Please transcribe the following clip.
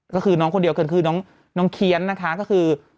ก็คือน้องคนเดียวกันคือน้องเคี้ยนนะคะก็คือ